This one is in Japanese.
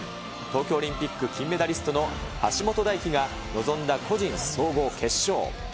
東京オリンピック金メダリストの橋本大輝が、臨んだ個人総合決勝。